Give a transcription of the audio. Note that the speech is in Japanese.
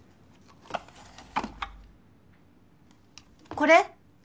これ？